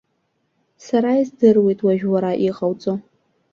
Сара издыруеит уажә уара иҟауҵо.